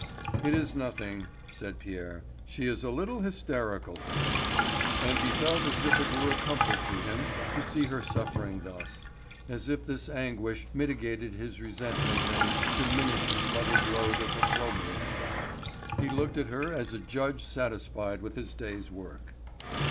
"It is nothing," said Pierre, "she is a little hysterical." And he felt as if it were a comfort to him to see her suffering thus, as if this anguish mitigated his resentment and diminished his mother's load of opprobrium. He looked at her as a judge satisfied with his day's work.